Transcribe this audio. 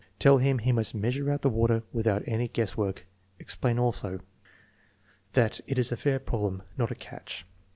Tell him he must measure out the water without any guess work. Explain also, that it is a fair problem, not a "catch."